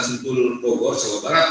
sentul dogor jawa barat